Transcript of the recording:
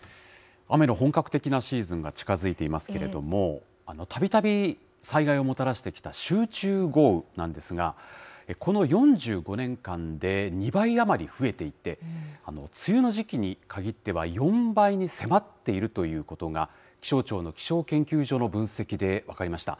雨の本格的なシーズンが近づいていますけれども、たびたび災害をもたらしてきた集中豪雨なんですが、この４５年間で２倍余り増えていて、梅雨の時期に限っては、４倍に迫っているということが、気象庁の気象研究所の分析で分かりました。